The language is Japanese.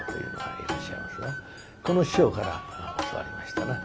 この師匠から教わりましたな。